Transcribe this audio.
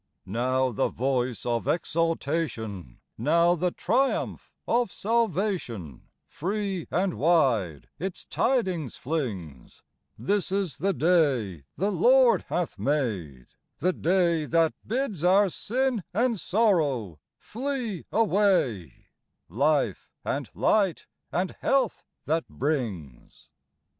Now the voice of exultation, Now the triumph of salvation, Free and wide its tidings flings : This is the day the Lord hath made ; the day That bids our sin and sorrow flee away, Life and light and health that brings.